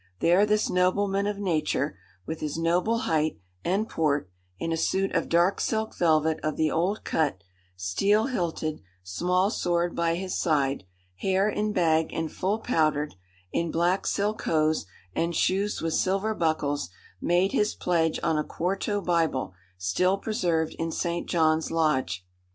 There this nobleman of nature, with his noble height and port, in a suit of dark silk velvet of the old cut, steel hilted small sword by his side, hair in bag and full powdered, in black silk hose, and shoes with silver buckles, made his pledge on a quarto Bible, still preserved in St. John's Lodge.